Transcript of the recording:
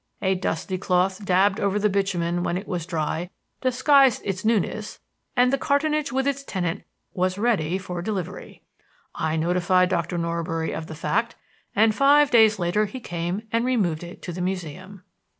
A dusty cloth dabbed over the bitumen when it was dry disguised its newness, and the cartonnage with its tenant was ready for delivery. I notified Doctor Norbury of the fact, and five days later he came and removed it to the Museum.